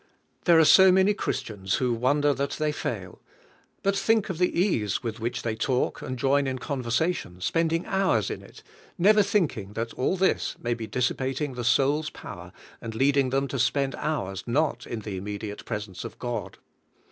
There are so many Christians who wonder that they fail; but think of the ease with which they talk and join in conversation, spending hours in it, never thinking that all this may bo dissipating the soul's power and leading them to spend hours not in the immediate 48 WAITING ON GOD presence of God.